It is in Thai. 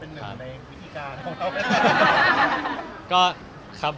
เป็นหนึ่งในวิธีการ